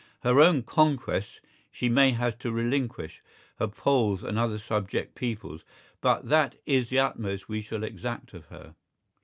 Her own "conquests" she may have to relinquish, her Poles and other subject peoples, but that is the utmost we shall exact of her.